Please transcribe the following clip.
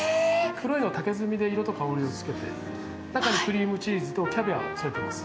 黒いのは、竹炭で色と香りをつけて、中にクリームチーズとキャビアを添えてます。